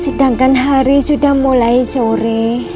sedangkan hari sudah mulai sore